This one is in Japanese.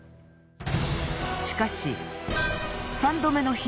しかし。